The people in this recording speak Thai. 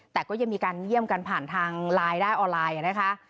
แต่ก็ยังมีการเยี่ยมกันผ่านทางไลน์ได้ออนไลน์นะคะ